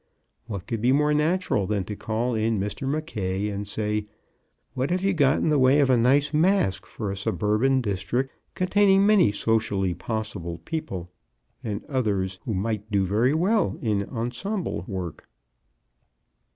What could be more natural than to call in Mr. Mackaye, and say: "What have you got in the way of a nice masque for a suburban district containing many socially possible people and others who might do very well in ensemble work?"